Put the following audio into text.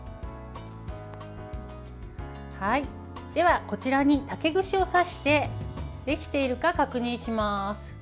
では、こちらに竹串を刺してできているか確認します。